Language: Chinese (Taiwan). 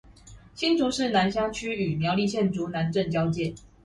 新竹市香山區與苗栗縣竹南鎮交界